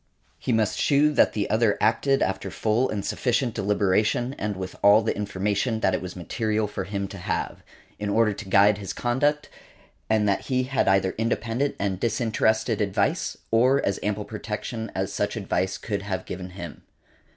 He must shew that the other acted after full and sufficient deliberation and with all the information that it was material for him to have, in order to guide his conduct, and that he had either independent and disinterested advice, or as ample protection as such advice could have given him .